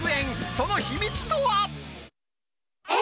その秘密とは。